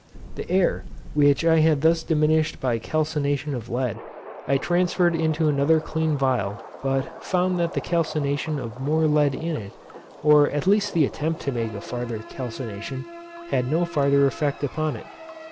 The air, which I had thus diminished by calcination of lead, I transferred into another clean phial, but found that the calcination of more lead in it (or at least the attempt to make a farther calcination) had no farther effect upon it.